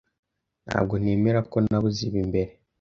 Ntabwo nemera ko nabuze ibi mbere.